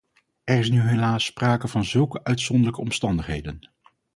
Er is nu helaas sprake van zulke uitzonderlijke omstandigheden.